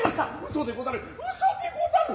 嘘でござる嘘でござる。